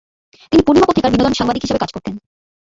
তিনি "পূর্ণিমা" পত্রিকার বিনোদন সাংবাদিক হিসেবে কাজ করতেন।